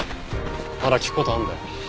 まだ聞く事あるんだよ。